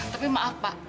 tapi maaf pak